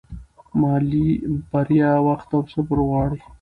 مالي بریا وخت او صبر غواړي.